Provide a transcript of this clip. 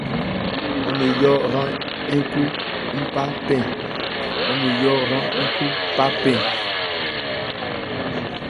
Ɔ́n ne yó hran nkhú nphá kpɛ.